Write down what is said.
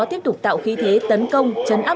tiếp tục tạo khí thế tấn công chấn áp